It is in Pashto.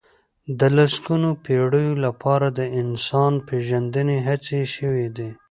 د لسګونو پېړيو لپاره د انسان پېژندنې هڅې شوي دي.